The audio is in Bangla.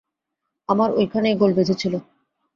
আমার ঐখানেই গোল বেধেছিল।